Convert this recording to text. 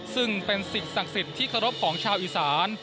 ซึ่งเป็นสิ่งศักดิ์สิทธิ์ที่เคารพของชาวอีสาน